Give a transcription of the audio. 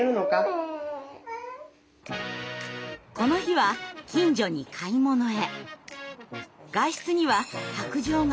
この日は近所に買い物へ。